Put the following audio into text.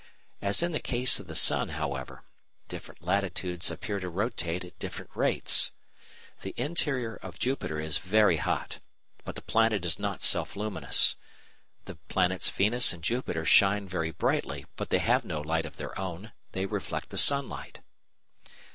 As in the case of the sun, however, different latitudes appear to rotate at different rates. The interior of Jupiter is very hot, but the planet is not self luminous. The planets Venus and Jupiter shine very brightly, but they have no light of their own; they reflect the sunlight.